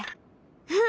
うん。